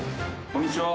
こんにちは。